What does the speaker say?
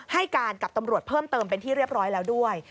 ให้การกับตำรวจเพิ่มเติมเป็นที่เรียบร้อยแล้วด้วย